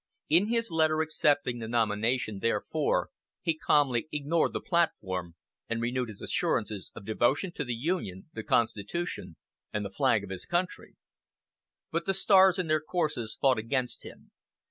In his letter accepting the nomination, therefore, he calmly ignored the platform, and renewed his assurances of devotion to the Union, the Constitution, and the flag of his country. But the stars in their courses fought against him.